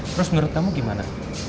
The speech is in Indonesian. terus menurut kamu gimana